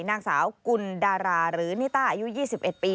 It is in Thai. นางสาวกุลดาราหรือนิต้าอายุ๒๑ปี